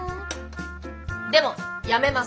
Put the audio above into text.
でもやめません！